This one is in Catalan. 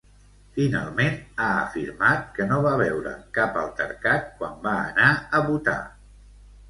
Finalment, ha afirmat que no va veure cap altercat quan va anar a votar.